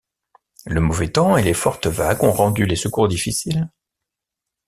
Le mauvais temps et les fortes vagues ont rendu les secours difficiles.